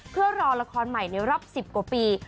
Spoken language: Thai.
เพื่อรอละครใหม่ในรอบ๑๐กว่าปี